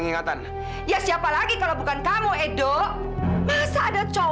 yang sudah salah